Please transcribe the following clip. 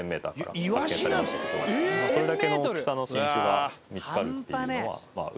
それだけの大きさの新種が見つかるっていうのは。